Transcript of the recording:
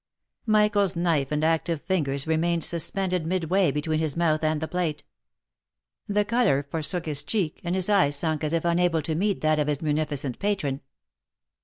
Michael's knife and active fingers remained suspended midway between his mouth and the plate ; the colour forsook his cheek, and his eye sunk as if unable to meet that of his munificent patron.